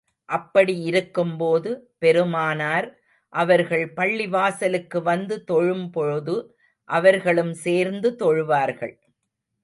அப்படி இருக்கும் போது, பெருமானார் அவர்கள் பள்ளிவாசலுக்கு வந்து தொழும் போது, அவர்களும் சேர்ந்து தொழுவார்கள்.